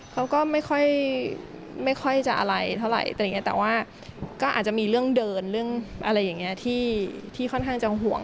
เขาก็ไม่ค่อยจะอะไรเท่าไหร่อะไรอย่างนี้แต่ว่าก็อาจจะมีเรื่องเดินเรื่องอะไรอย่างนี้ที่ค่อนข้างจะห่วง